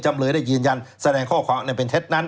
จำเลยได้ยืนยันแสดงข้อความอันเป็นเท็จนั้น